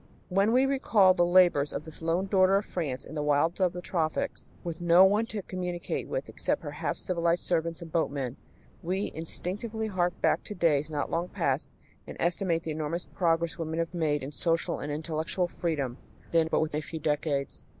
When we recall the labors of this lone daughter of France in the wilds of the tropics, with no one to communicate with except her half civilized servants and boatmen, we instinctively hark back to days not long past and estimate the enormous progress women have made in social and intellectual freedom within but a few decades.